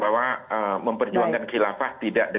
baik baik baik